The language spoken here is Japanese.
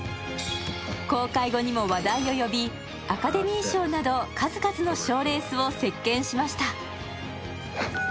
公開後にも話題を呼び、アカデミー賞など数々の賞レースを席けんしました。